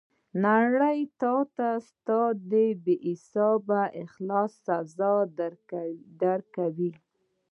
نړۍ تاته ستا د بې حسابه اخلاص سزا درکوي.